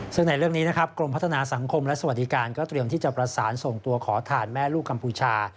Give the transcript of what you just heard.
ซึ่งในเรื่องนี้นะครับกรมพัฒนาสังคมและสวัสดิการก็เตรียมที่จะประสานส่งตัวขอทานแม่ลูกกัมพูชา